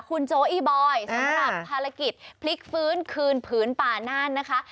คุณโจอี้บอยสำหรับภารกิจพลิกฟื้นคืนผืนป่าน่านนะคะ